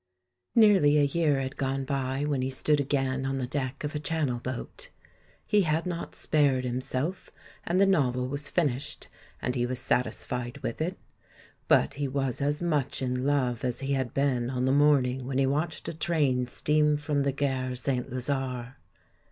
Nearly a year had gone by when he stood again on the deck of a Channel boat. He had not spared himself, and the novel was finished, and he was satisfied with it; but he was as much in love as he had been on the morning when he watched a train steam from the gare St. Lazare.